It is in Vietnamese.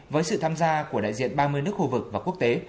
với sự tham gia của đại diện ba mươi nước khu vực và quốc tế